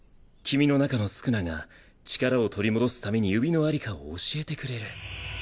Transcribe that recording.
君の中の宿儺が力を取り戻すために指の在りかを教えてくれる。